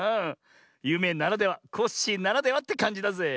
ゆめならではコッシーならではってかんじだぜ。